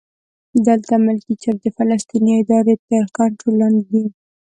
دلته ملکي چارې د فلسطیني ادارې تر کنټرول لاندې دي.